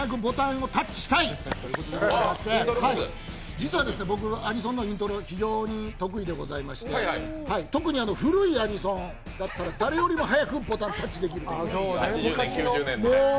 実は僕、アニソンのイントロ非常に得意でございまして特に古いアニソンだったら、誰よりも早くボタンにタッチできます。